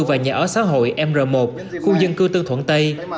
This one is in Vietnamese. và nhà ở xã hội mr một khu dân cư tư thuận tây